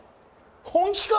本気か？